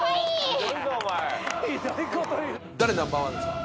誰ナンバーワンですか？